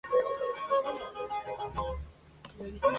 De su mandato nada se sabe.